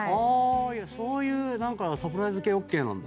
そういうサプライズ系ＯＫなんだ。